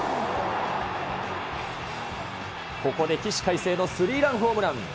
ここで起死回生のスリーランホームラン。